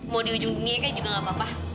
mau di ujung dunia kayaknya juga gak apa apa